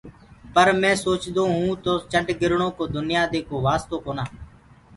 پر مينٚ سوچدو هيوُنٚ تو چنڊگرڻو ڪو دنيآ دي ڪو واستو ڪونآ۔